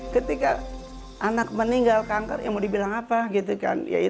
ketika anak meninggal kanker ya mau dibilang apa gitu kan